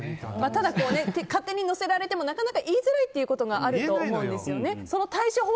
ただ勝手に載せられてもなかなか言いづらいってことがあると思うんですよね。